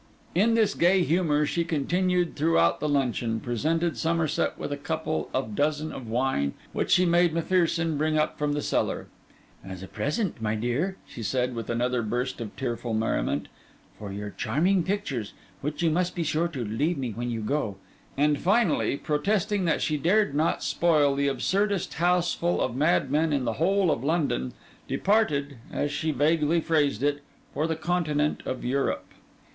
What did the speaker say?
In this gay humour she continued throughout the luncheon; presented Somerset with a couple of dozen of wine, which she made M'Pherson bring up from the cellar—'as a present, my dear,' she said, with another burst of tearful merriment, 'for your charming pictures, which you must be sure to leave me when you go;' and finally, protesting that she dared not spoil the absurdest houseful of madmen in the whole of London, departed (as she vaguely phrased it) for the continent of Europe.